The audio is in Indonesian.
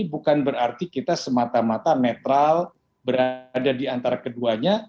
bukan berarti kita semata mata netral berada di antara keduanya